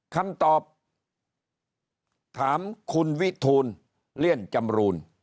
คำตอบถามคุณวิทูลเลี่ยนจำรูน